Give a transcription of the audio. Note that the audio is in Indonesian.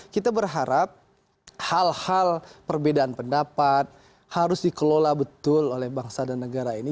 kita berharap hal hal perbedaan pendapat harus dikelola betul oleh bangsa dan negara ini